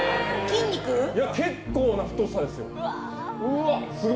結構な太さですよ。